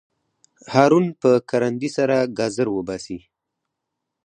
هارون په کرندي سره ګازر وباسي.